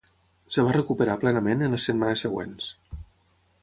Es va recuperar plenament en les setmanes següents.